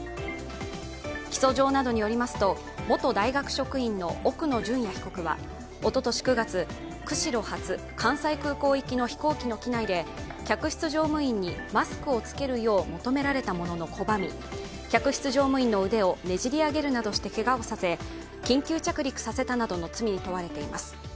起訴状などによりますと元大学職員の奥野淳也被告はおととし９月、釧路発・関西空港行きの飛行機の機内で客室乗務員にマスクを着けるよう求められたものの拒み、客室乗務員の腕をねじり上げるなどしてけがをさせ緊急着陸させたなどの罪に問われています。